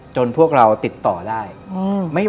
จนพวกเราติดต่อได้อืม